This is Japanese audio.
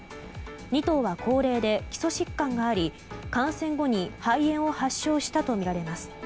２頭は高齢で基礎疾患があり感染後に肺炎を発症したとみられます。